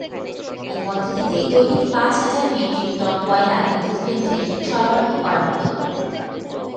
এই পদ্ধতিতে দৈনিক পাঁচ হাজার মেট্রিক টন কয়লা বিদ্যুৎ কেন্দ্রে সরবরাহ করা হত।